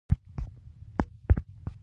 ایا ستاسو نوکان به لنډ نه وي؟